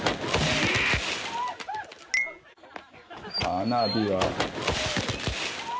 花火は。